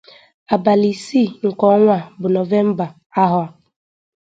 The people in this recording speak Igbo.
abalị isii nke ọnwa a bụ Nọvamba ahọ a.